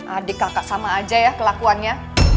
adik kakak sama aja ya kelakuannya